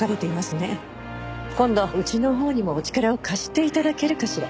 今度うちのほうにもお力を貸して頂けるかしら？